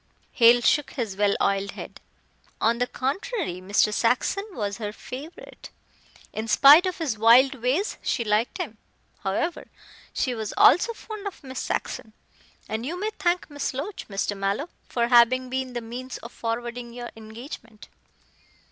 Hale shook his well oiled head. "On the contrary, Mr. Saxon was her favorite. In spite of his wild ways she liked him. However, she was also fond of Miss Saxon, and you may thank Miss Loach, Mr. Mallow, for having been the means of forwarding your engagement."